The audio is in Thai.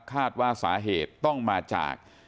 คาดว่าสาเหตุต้องมาจาก